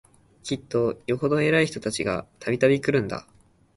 きっとよほど偉い人たちが、度々来るんだ